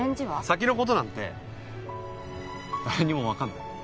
先の事なんて誰にもわかんない。